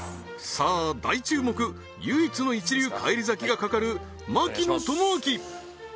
さあ大注目唯一の一流返り咲きが懸かる槙野智章